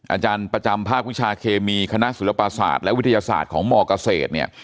อาจารย์ประจำภาควิชาเคมีคณะศิลปศาสตร์และวิทยาศาสตร์ของมเกษตรเนี่ย